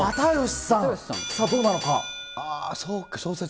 さあ、どうなのか。